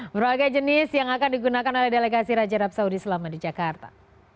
berbagai jenis yang akan digunakan oleh delegasi raja arab saudi selama di jakarta